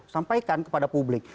sampaikan kepada publik